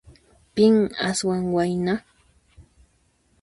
Pin aswan wayna?